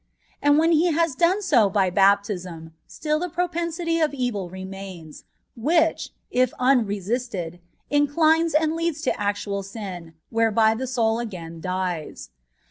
And when He has done so by baptism, stili the propensity to evil remains, which^ if unresisted, incHnes and leads to actual sin, whereby the soul again dies.